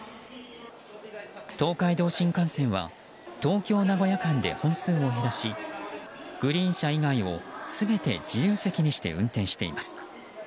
東海道新幹線は東京名古屋間で本数を減らし、グリーン車以外を全て自由席にして運転しています。